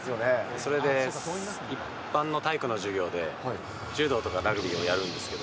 それで、一般の体育の授業で柔道とかラグビーをやるんですけど。